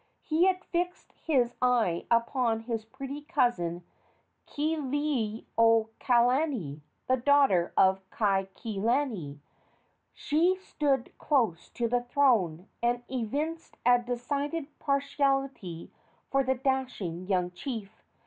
He had fixed his eye upon his pretty cousin Kealiiokalani, the daughter of Kaikilani. She stood close to the throne, and evinced a decided partiality for the dashing young chief.